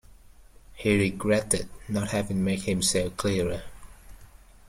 He regretted not having made himself clearer.